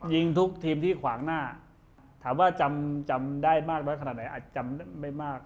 ยิงทุกทีมที่ขวางหน้าถามว่าจำได้มากน้อยขนาดไหนอาจจำไม่มาก